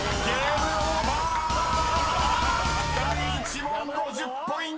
［第１問５０ポイント］